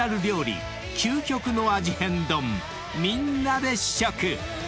［みんなで試食！］